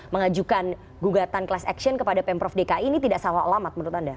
mengajukan gugatan class action kepada pemprov dki ini tidak salah alamat menurut anda